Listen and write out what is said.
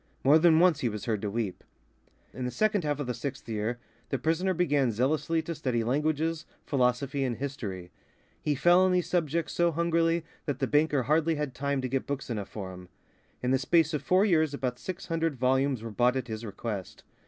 More than once he was heard to weep. In the second half of the sixth year, the prisoner began zealously to study languages, philosophy, and history. He fell on these subjects so hungrily that the banker hardly had time to get books enough for him. In the space of four years about six hundred volumes were bought at his request.